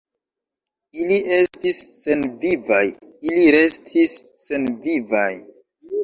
Ili estis senvivaj, ili restis senvivaj!